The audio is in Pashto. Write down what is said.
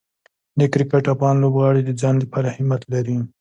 د کرکټ افغان لوبغاړي د ځان لپاره همت لري.